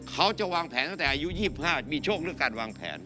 เขาจะวางแผนตั้งแต่อายุ๒๕มีโชคเรื่องการวางแผน